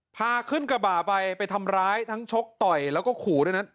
พาขึ้นกระบะไปไปทำร้ายทั้งชกต่อยแล้วก็ขู่ด้วยนั้น